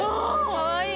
かわいい！